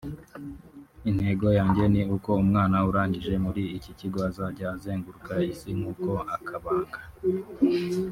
Intego yanjye ni uko umwana urangije muri iki kigo azajya azenguruka Isi nk’uko akabanga